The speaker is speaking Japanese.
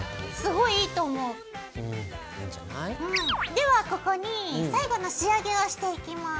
ではここに最後の仕上げをしていきます。